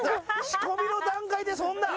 仕込みの段階でそんな。